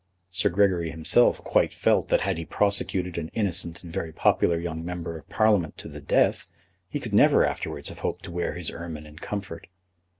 Sir Gregory himself quite felt that had he prosecuted an innocent and very popular young Member of Parliament to the death, he could never afterwards have hoped to wear his ermine in comfort.